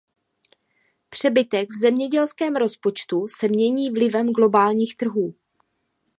Přebytek v zemědělském rozpočtu se mění vlivem globálních trhů.